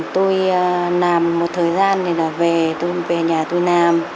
tôi làm một thời gian thì là về tôi về nhà tôi làm